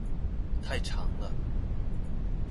太長了